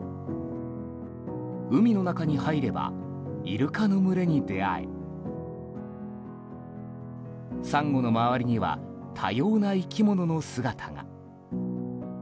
海の中に入ればイルカの群れに出会えサンゴの周りには多様な生き物の姿が。